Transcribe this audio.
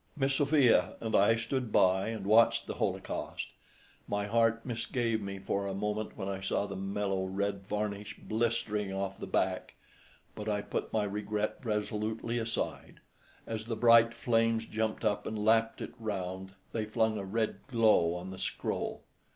Miss Sophia and I stood by and watched the holocaust. My heart misgave me for a moment when I saw the mellow red varnish blistering off the back, but I put my regret resolutely aside. As the bright flames jumped up and lapped it round, they flung a red glow on the scroll.